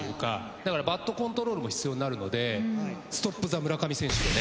だからバットコントロールも必要になるのでストップ・ザ・村上選手でね。